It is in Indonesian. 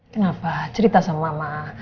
kenapa cerita sama mama